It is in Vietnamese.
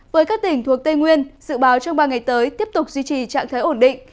với các tỉnh thuộc tây nguyên dự báo trong ba ngày tới tiếp tục duy trì trạng thái ổn định